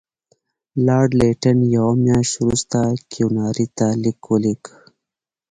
لارډ لیټن یوه میاشت وروسته کیوناري ته لیک ولیکه.